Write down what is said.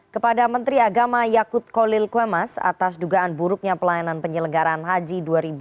kepada menteri agama yakut kolil kwemas atas dugaan buruknya pelayanan penyelenggaran haji dua ribu dua puluh